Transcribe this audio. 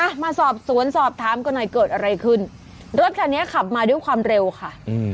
มาสอบสวนสอบถามกันหน่อยเกิดอะไรขึ้นรถคันนี้ขับมาด้วยความเร็วค่ะอืม